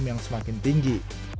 bbm yang semakin tinggi